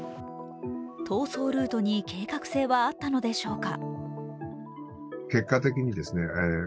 逃走ルートに計画性はあったのでしょうか。